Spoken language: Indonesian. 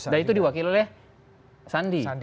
dan itu diwakili oleh sandi